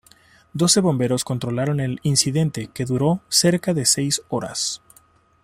Doce bomberos controlaron el incidente que duró cerca de seis horas.